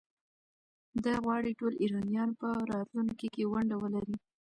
ده غواړي ټول ایرانیان په راتلونکي کې ونډه ولري.